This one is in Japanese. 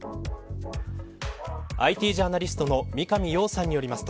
ＩＴジャーナリストの三上洋さんによりますと。